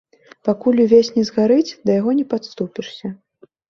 Пакуль увесь не згарыць, да яго не падступішся.